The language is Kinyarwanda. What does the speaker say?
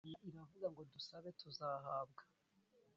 Imana iravugango dusabe tuzahabwa